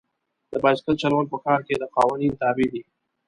د بایسکل چلول په ښار کې د قوانین تابع دي.